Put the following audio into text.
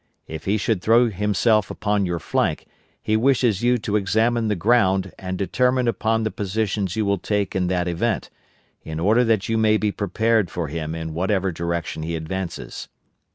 If he should throw himself upon your flank, he wishes you to examine the ground and determine upon the positions you will take in that event, in order that you may be prepared for him in whatever direction he advances.